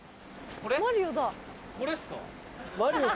これっすか？